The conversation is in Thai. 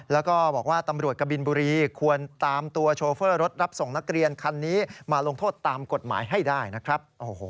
แล้วก็บอกว่าตำรวจกบินบุรีควรตามตัวโชเฟอร์รถรับส่งนักเรียนคันนี้มาลงโทษตามกฎหมายให้ได้นะครับ